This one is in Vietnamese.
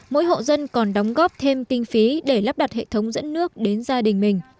mỗi hộ dân còn đóng góp thêm kinh phí để lắp đặt hệ thống dẫn nước đến gia đình mình